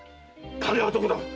金はどこだ？〕